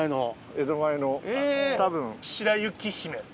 江戸前のたぶん。